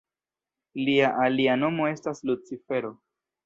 Lia alia nomo estas Lucifero.